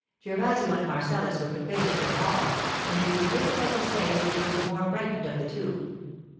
Gervasio and Marcellus were conveyed into the hall, and it would be difficult to say which was the more frightened of the two.